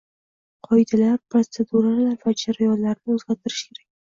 Qoidalar, protseduralar va jarayonlarni o'zgartirish kerak